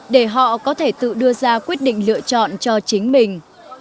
để họ có thể tự đưa ra quyết định lựa chọn cho chính mình